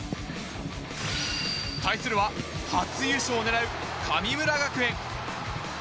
対するは、初優勝を狙う神村学園。